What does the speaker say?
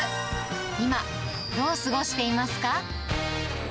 今、どう過ごしていますか？